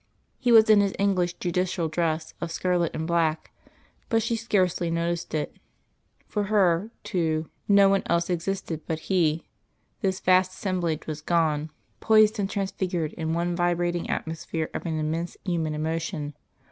He was in his English judicial dress of scarlet and black, but she scarcely noticed it. For her, too, no one else existed but, He; this vast assemblage was gone, poised and transfigured in one vibrating atmosphere of an immense human emotion.